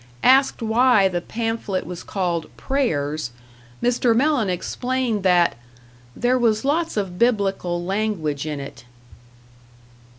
Asked why the pamphlet was called "Prayers", Mr. Mellen explained that "there was lots of biblical language in it."